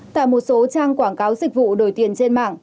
tại một số trang quảng cáo dịch vụ đổi tiền trên mạng